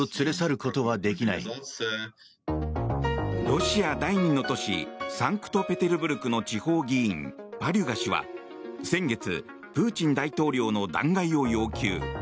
ロシア第２の都市サンクトペテルブルクの地方議員パリュガ氏は先月、プーチン大統領の弾劾を要求。